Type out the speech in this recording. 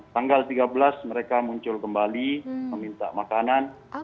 tanggal tiga belas mereka muncul kembali meminta makanan